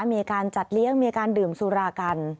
มีการจัดเลี้ยงมีการดื่มสุรากัน